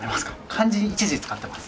漢字１字使ってます。